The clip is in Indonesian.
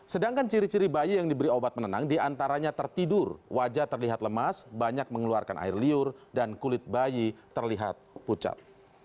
sedangkan ciri ciri bayi yang diberi obat penenang diantaranya tertidur wajah terlihat lemas banyak mengeluarkan air liur dan kulit bayi terlihat pucat